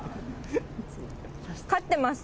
勝ってます。